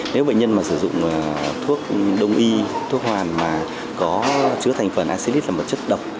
nếu bệnh nhân mà sử dụng thuốc đông y thuốc hoàn mà có chứa thành phần acilis là một chất độc